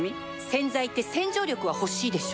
洗剤って洗浄力は欲しいでしょ